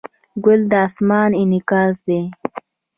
ګل د اسمان انعکاس دی.